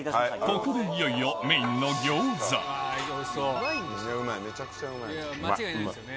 ここでいよいよメインの餃子うまい。